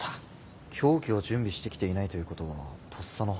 凶器を準備してきていないということはとっさの犯行。